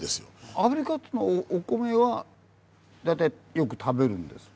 アフリカっていうのはお米は大体よく食べるんですか？